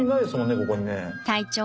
ここにね。